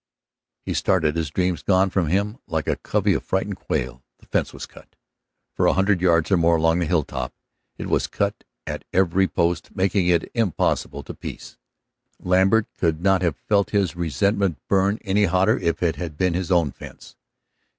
He started, his dreams gone from him like a covey of frightened quail. The fence was cut. For a hundred yards or more along the hilltop it was cut at every post, making it impossible to piece. Lambert could not have felt his resentment burn any hotter if it had been his own fence.